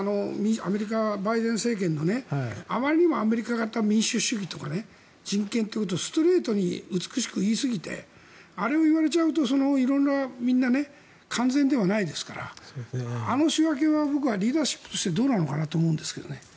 アメリカ、バイデン政権はあまりにもアメリカが民主主義とか人権ということをストレートに美しく言いすぎてあれを言われちゃうとみんな完全ではないですからあの仕分けは僕はリーダーシップとしてどうかと思うんですけどね。